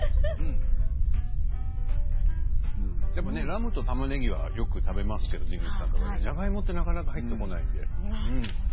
ラムとたまねぎはよく食べますけどジンギスカンでじゃがいもは、なかなか入ってこないですよね。